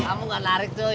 kamu gak larik cuy